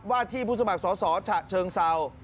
ว่าที่ผู้สมัครสอดชะเชิงเศร้า